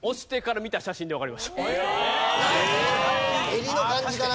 襟の感じかな？